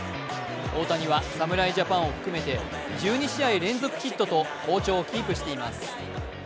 大谷は侍ジャパンを含めて１２試合連続ヒットと好調をキープしています。